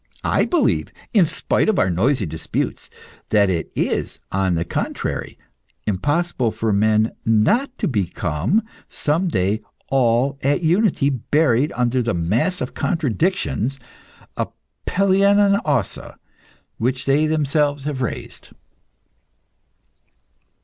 I believe in spite of our noisy disputes that it is, on the contrary, impossible for men not to become some day all at unity buried under the mass of contradictions, a Pelion on Ossa, which they themselves have raised.